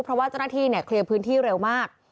เพราะว่าเจ้าหน้าที่เนี่ยเคลียร์พื้นที่เร็วมาก